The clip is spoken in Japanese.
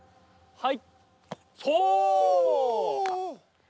はい。